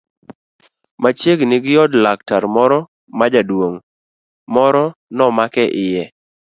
Machiegni gi od laktar moro ma jaduong' moro nomake iye.